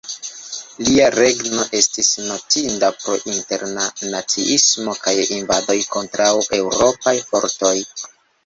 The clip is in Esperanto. Lia regno estis notinda pro interna naciismo kaj invadoj kontraŭ Eŭropaj fortoj.